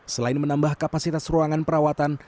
selain menambah kapasitas ruangan perawatan